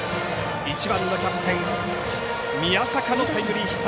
１番のキャプテン宮坂のタイムリーヒット。